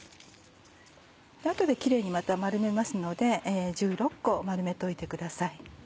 後でキレイにまた丸めますので１６個丸めといてください。